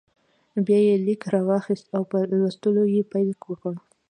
بیا یې لیک راواخیست او په لوستلو یې پیل وکړ.